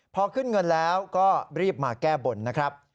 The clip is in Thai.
พอขึ้นเงินแล้วก็รีบมาแก้บนนะครับ